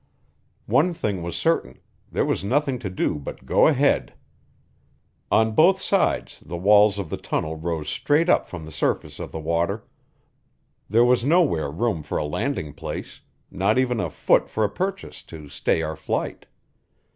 One thing was certain: there was nothing to do but go ahead. On both sides the walls of the tunnel rose straight up from the surface of the water; there was nowhere room for a landing place not even a foot for a purchase to stay our flight.